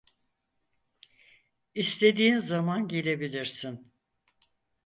İstediğin zaman gelebilirsin.